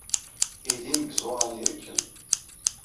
Idim deg yiẓuran irekkem.